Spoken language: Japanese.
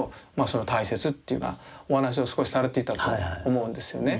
その大切っていうようなお話を少しされていたと思うんですよね。